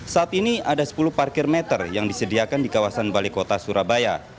saat ini ada sepuluh parkir meter yang disediakan di kawasan balai kota surabaya